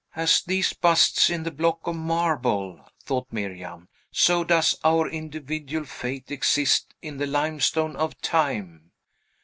"As these busts in the block of marble," thought Miriam, "so does our individual fate exist in the limestone of time.